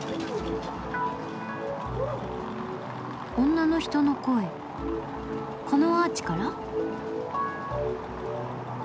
女の人の声このアーチから？